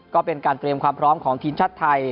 ก็เป็นการเตรียมความพร้อมของทีมชาติไทย